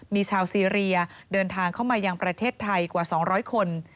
มีชาวซีเรียเดินทางเข้ามายังประเทศไทยกว่า๒๐๐คน